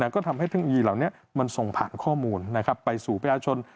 ก็ทำให้เทคโนโลยีเหล่านี้มันส่งผ่านข้อมูลไปสู่ประชาชน